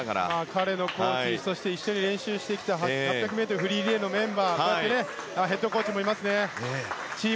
彼のコーチ一緒に練習してきた８００ｍフリーリレーのメンバーヘッドコーチもいますね。